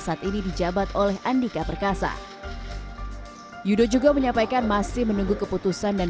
saat ini dijabat oleh andika perkasa yudo juga menyampaikan masih menunggu keputusan dan